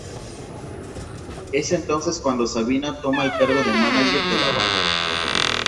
Es entonces cuando Sabina toma el cargo de mánager de la banda.